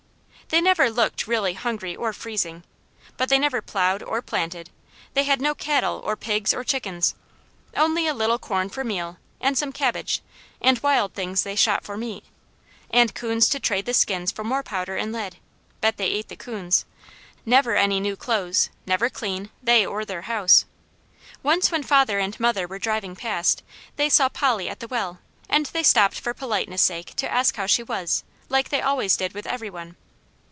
They never looked really hungry or freezing, but they never plowed, or planted, they had no cattle or pigs or chickens, only a little corn for meal, and some cabbage, and wild things they shot for meat, and coons to trade the skins for more powder and lead bet they ate the coons never any new clothes, never clean, they or their house. Once when father and mother were driving past, they saw Polly at the well and they stopped for politeness sake to ask how she was, like they always did with every one.